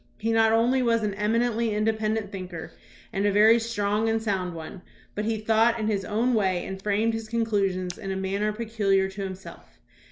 He not only was an eminently in dependent thinker and a very strong and sound one, but he thought in his own way and framed his con clusions in a manner peculiar to himself.